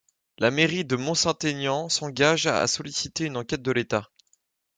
La mairie de Mont-Saint-Aignan s'engage à solliciter une enquête de l'État.